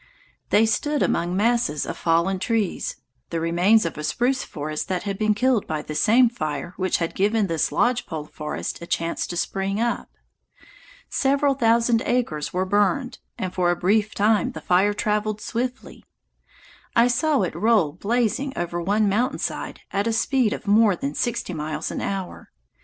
They stood among masses of fallen trees, the remains of a spruce forest that had been killed by the same fire which had given this lodge pole forest a chance to spring up. Several thousand acres were burned, and for a brief time the fire traveled swiftly. I saw it roll blazing over one mountain side at a speed of more than sixty miles an hour.